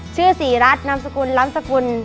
ชื่อศรีรัฐนามสกุลล้ำสกุล